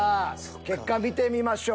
結果見てみましょう。